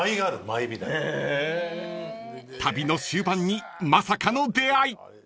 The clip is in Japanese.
［旅の終盤にまさかの出会い］